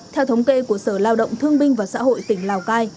theo thống kê của sở lao động thương binh và xã hội tỉnh lào cai